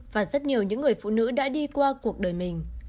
và rất nhiều những người phụ nữ đã đi qua cuộc đời mình